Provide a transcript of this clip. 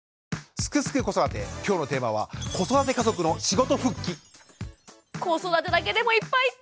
「すくすく子育て」今日のテーマは子育てだけでもいっぱいいっぱい！